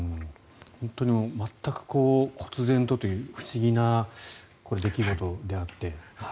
本当に全くこつ然とというか不思議な出来事であって。